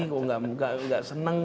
kenapa tidak senang